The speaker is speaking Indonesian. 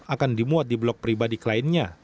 akan dimuat di blok pribadi kliennya